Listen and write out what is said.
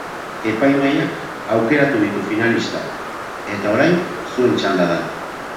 Epaimahaiak aukeratu ditu finalistak eta orain zuen txanda da!